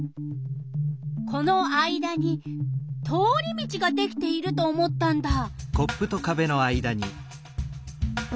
この間に通り道ができていると思ったんだ！